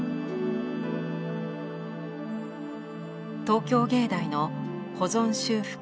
東京藝大の保存修復